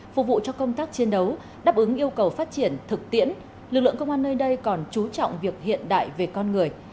phục vụ cho công tác chiến đấu đáp ứng yêu cầu phát triển thực tiễn lực lượng công an nơi đây còn trú trọng việc hiện đại về con người